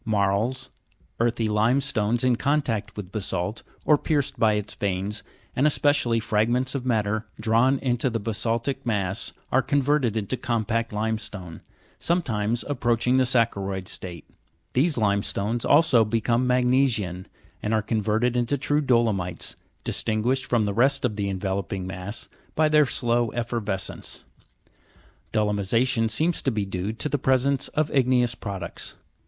Marls, earthy limestones in contact with basa'lt, or pierced by its veins, and especially fragments of matter drawn into the basa'ltic mass, are converted into compact limestone, sometimes approach ing the saccharo'id state. These limestones also become magne sian, and are converted into true dolomites, distinguished from the rest of the enveloping mass by their slow effervescence. Dolomi sa'tion seems to be due to the presence of igneous products.